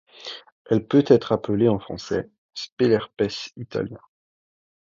Elle peut être appelée en français Spélerpès italien.